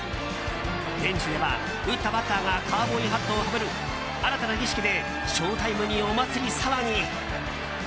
ベンチでは打ったバッターがカウボーイハットをかぶる新たな儀式でショウタイムにお祭り騒ぎ。